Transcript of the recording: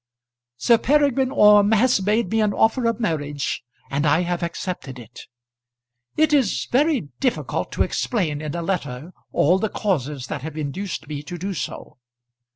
Sir Peregrine Orme has made me an offer of marriage and I have accepted it. It is very difficult to explain in a letter all the causes that have induced me to do so.